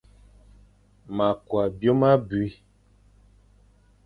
Ma kw byôm abi.